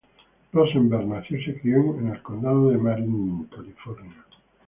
Rosenberg nació y se crio en Condado de Marin, California.